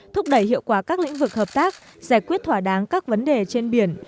thúc đẩy hiệu quả các lĩnh vực hợp tác giải quyết thỏa đáng các vấn đề trên biển